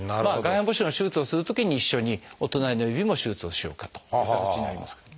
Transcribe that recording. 外反母趾の手術をするときに一緒にお隣の指も手術をしようかという形になりますかね。